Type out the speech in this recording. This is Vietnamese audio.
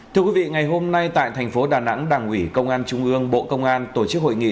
thưa quý vị ngày hôm nay tại thành phố đà nẵng đảng ủy công an trung ương bộ công an tổ chức hội nghị